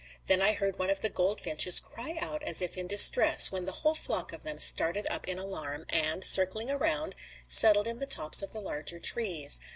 Then I heard one of the goldfinches cry out as if in distress, when the whole flock of them started up in alarm, and, circling around, settled in the tops of the larger trees.